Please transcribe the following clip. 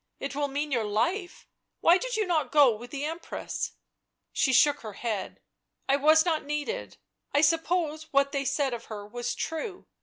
" It will mean your life — why did you not go with the Empress ?" She shook her head. " I was not needed. I suppose what they said of her was true.